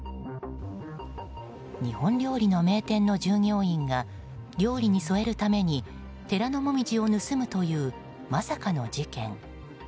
日本料理の名店の従業員が料理に添えるために寺のモミジを盗むというまさかの事件。